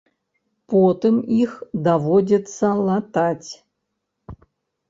Потым іх даводзіцца латаць.